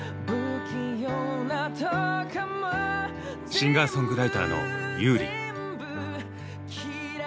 シンガーソングライターの優里。